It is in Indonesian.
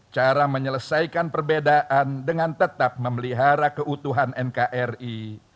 cara menyelesaikan perbedaan dengan tetap memelihara keutuhan nkri